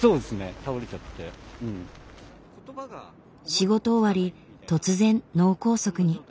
仕事終わり突然脳梗塞に。